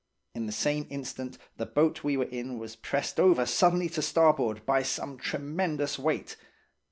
"In the same instant the boat we were in was pressed over suddenly to starboard by some tremendous weight.